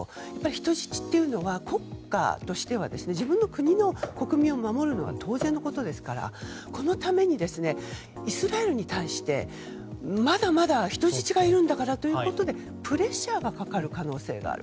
人質というのは国家としては自分の国の国民を守るのは当然のことですからこのためにイスラエルに対してまだまだ人質がいるんだからということでプレッシャーがかかる可能性がある。